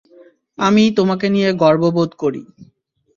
আমি তোমাকে নিয়ে গর্ববোধ করি।